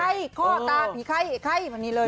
ไอ้ไข่ข้อตาผีไข่ไอ้ไข่แบบนี้เลย